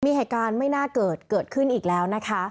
มีเหตุการณ์ไม่น่าเกิดเกิดขึ้นอีกแล้วนะคะ